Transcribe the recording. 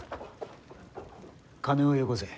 金をよこせ。